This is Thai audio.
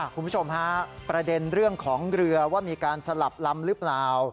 คุณผู้ชมฮะประเด็นเรื่องของเรือว่ามีการสลับลำหรือเปล่า